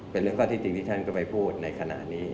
เป็นเรื่องข้อที่จริงที่ท่านก็ไปพูดในขณะนี้